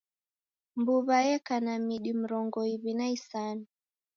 Mbuw'a yeka na midi mrongo iw'i na isanu.